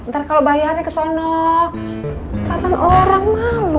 ntar kalau bayarnya kesana katanya orang malu